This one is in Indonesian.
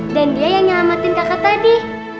dan dia yang nyelamatin kakak tadi